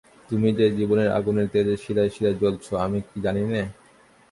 তুমি যে জীবনের আগুনের তেজে শিরায় শিরায় জ্বলছ আমি কি জানি নে?